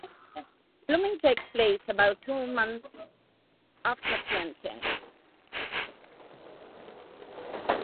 Blooming takes place about two months after planting.